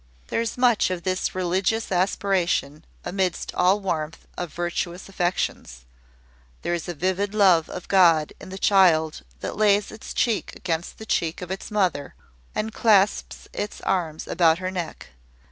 There is much of this religious aspiration amidst all warmth of virtuous affections. There is a vivid love of God in the child that lays its cheek against the cheek of its mother, and clasps its arms about her neck.